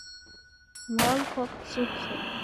Уалқәак сықәхеит.